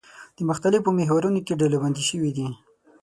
د مختلفو محورونو کې ډلبندي شوي دي.